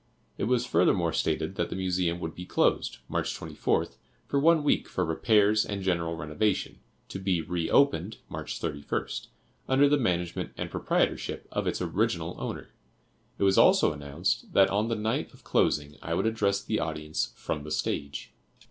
It was furthermore stated that the Museum would be closed, March 24th, for one week for repairs and general renovation, to be re opened, March 31st, under the management and proprietorship of its original owner. It was also announced that on the night of closing I would address the audience from the stage.